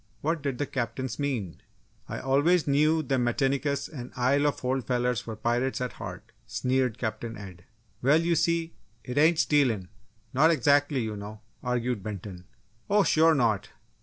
What did the Captains mean? "I always knew them Metinicus an' Isle of Holt fellers were pirates at heart!" sneered Captain Ed. "Well, you see, it ain't stealin' not exactly, you know!" argued Benton. "Oh sure not!